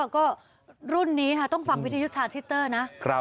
ก็รุ่นนี้ต้องฝากวิทยุทรานซิสเตอร์นะ